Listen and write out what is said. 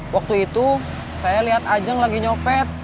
waktu itu saya lihat ajang lagi nyopet